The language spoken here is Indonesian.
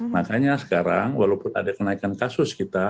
makanya sekarang walaupun ada kenaikan kasus kita